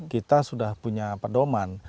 kita sudah punya pedoman